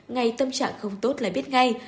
ngay tâm trạng không tốt là biết ngay